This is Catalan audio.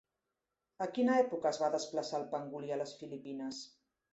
A quina època es va desplaçar el pangolí a les Filipines?